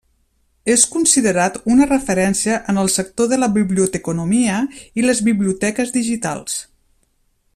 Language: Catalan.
És considerat una referència en el sector de la biblioteconomia i les biblioteques digitals.